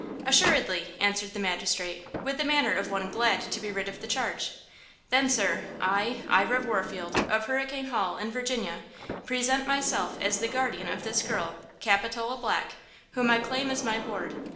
"Assuredly," answered the magistrate, with the manner of one glad to be rid of the charge. "Then, sir, I, Ira Warfield, of Hurricane Hall, in Virginia, present myself as the guardian of this girl, Capitola Black, whom I claim as my ward.